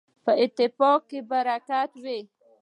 په اتفاق کي برکت وي.